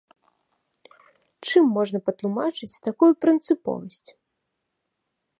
Чым можна патлумачыць такую прынцыповасць?